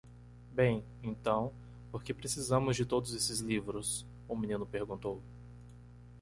"Bem? então? por que precisamos de todos esses livros?" o menino perguntou.